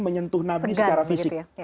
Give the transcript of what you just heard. menyentuh nabi secara fisik